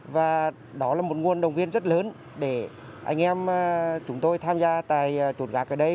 và đó là một nguồn đồng viên rất lớn để anh em chúng tôi tham gia tai trột gạt ở đây